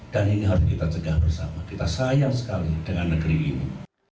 dan ini harus kita cegah bersama kita sayang sekali dengan negeri ini